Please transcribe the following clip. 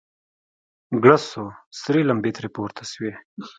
گړز سو سرې لمبې ترې پورته سوې.